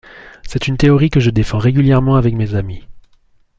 C’est une théorie que je défends régulièrement avec mes amis.